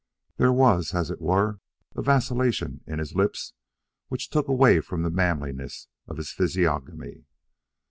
There was as it were a vacillation in his lips which took away from the manliness of his physiognomy.